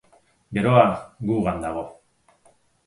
Geroa gugan dago.